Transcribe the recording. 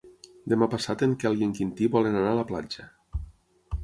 Demà passat en Quel i en Quintí volen anar a la platja.